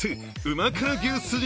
旨辛牛すじ